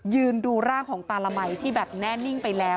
ยืนดูร่างของตาละมัยที่แบบแน่นิ่งไปแล้ว